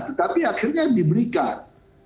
tetapi akhirnya diberikan